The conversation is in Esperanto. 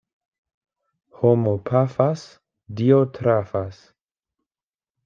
Homo pafas, Dio trafas.